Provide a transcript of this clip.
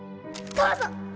どうぞ！